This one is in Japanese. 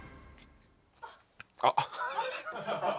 あっ。